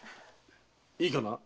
・いいかな？